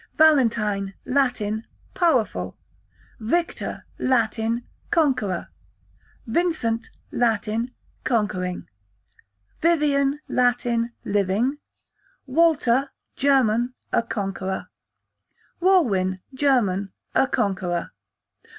Valentine, Latin, powerful. Victor, Latin, conqueror. Vincent, Latin, conquering. Vivian, Latin, living. Walter, German, a conqueror. Walwin, German, a conqueror.